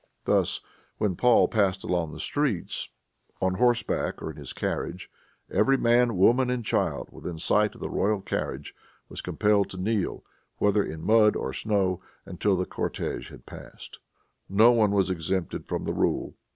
Thus, when Paul passed along the streets on horseback or in his carriage, every man, woman and child, within sight of the royal cortege, was compelled to kneel, whether in mud or snow, until the cortege had passed. No one was exempted from the rule.